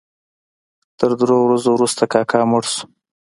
تر درو ورځو وروسته کاکا مړ شو.